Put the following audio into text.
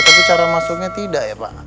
tapi cara masuknya tidak ya pak